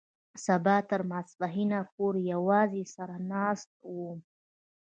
سبا تر ماسپښينه پورې يوازې سر ناست وم.